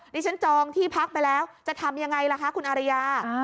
ดิฉันจองที่พักไปแล้วจะทำยังไงล่ะคะคุณอารยา